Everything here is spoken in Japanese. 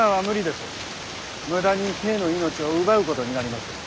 無駄に兵の命を奪うことになります。